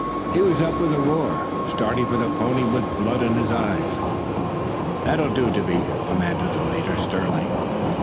He was up with a roar, starting for the pony with blood in his eye. "That'll do, Dippy!" commanded the leader sternly.